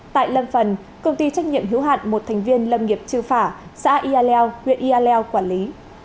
tại lâm phần công ty trách nhiệm hữu hạn một thành viên lâm nghiệp trừ phả xã yaleo huyện yaleo quản lý